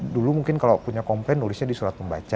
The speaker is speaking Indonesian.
dulu mungkin kalau punya komplain nulisnya di surat membaca